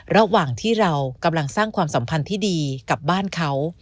ระหว่างที่เรากำลังสร้างความสัมพันธ์ที่ดีกับบ้านเขา